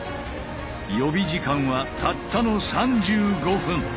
予備時間はたったの３５分。